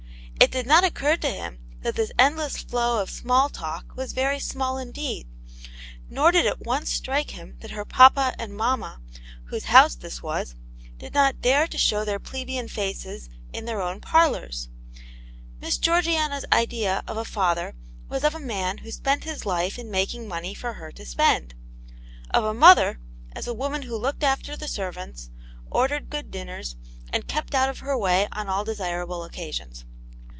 It did not occur to him ttvat \K\^ ^t^^^'s*^ ^^^^ 10 Aunt Janets Hero, m small talk was very small indeed, nor did it once strike him that her papa and mamma, whose house this was, did not dare to show their plebeian faces in their own parlours. Miss Georgiana's idea of a father was of a man who spent his life in making money for her to spend — of a mother, as a woman who looked after the servants, ordered good dinners, and kept out of her way on all desirable occasions.